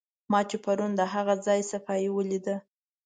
ما چې پرون د هغه ځای صفایي ولیده.